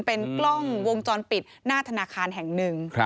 เป็นกล้องวงจรปิดหน้าธนาคารแห่งหนึ่ง